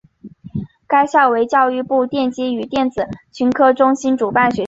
该校为教育部电机与电子群科中心主办学校。